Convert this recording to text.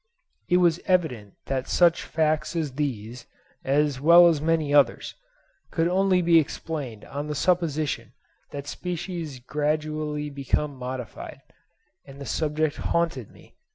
It was evident that such facts as these, as well as many others, could only be explained on the supposition that species gradually become modified; and the subject haunted me.